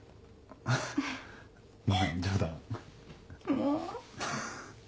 もう。